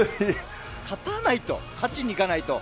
勝たないと、勝ちにいかないと。